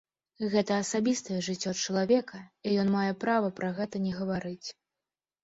Гэта асабістае жыццё чалавека, і ён мае права пра гэта не гаварыць.